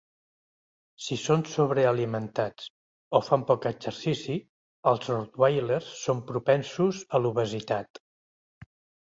Si són sobrealimentats o fan poc exercici els rottweilers són propensos a l'obesitat.